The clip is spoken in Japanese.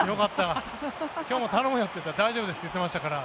今日も頼むよと言ったら大丈夫ですと言ってましたから。